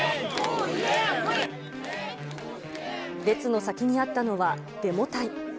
列の先にあったのは、デモ隊。